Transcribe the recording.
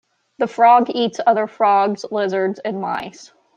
The frog eats other frogs, lizards, and mice.